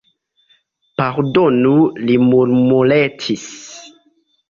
Pardonu, li murmuretis.